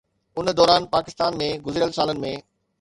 ان دوران پاڪستان ۾ گذريل سالن ۾